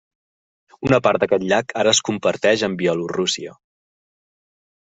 Una part d'aquest llac ara es comparteix amb Bielorússia.